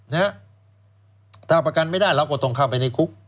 นะฮะถ้าประกันไม่ได้เราก็ต้องเข้าไปในคุก